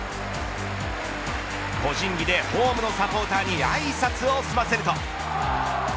個人技でホームのサポーターにあいさつを済ませると。